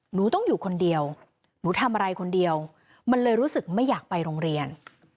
หนูต้องอยู่คนเดียวหนูทำอะไรคนเดียวมันเลยรู้สึกไม่อยากไปโรงเรียน